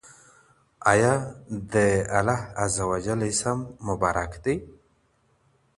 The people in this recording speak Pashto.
آيا دا د الله عزوجل اسم مبارک دی؟